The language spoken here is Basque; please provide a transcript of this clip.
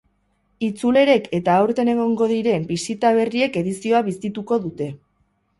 Itzulerek eta aurten egongo diren bisita berriek edizioa bizituko dute.